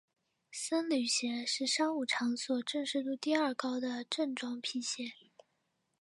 僧侣鞋是商务场所正式度第二高的正装皮鞋。